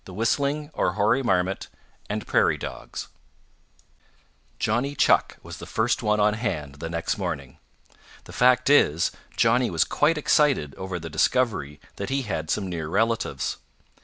CHAPTER VIII Whistler and Yap Yap Johnny Chuck was the first one on hand the next morning. The fact is, Johnny was quite excited over the discovery that he had some near relatives.